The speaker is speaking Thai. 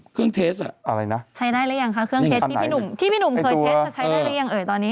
เครื่องเทสใช้ได้หรือยังคะเครื่องเทสที่พี่หนุ่มเคยเทสใช้ได้หรือยังเอ๋ยตอนนี้